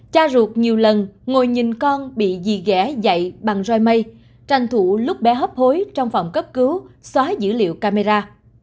cha ruột nhiều lần ngồi nhìn con bị dì ghé dạy bằng roi mây tranh thủ lúc bé hấp hối trong phòng cấp cứu xóa dữ liệu camera